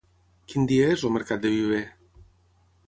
Quin dia és el mercat de Viver?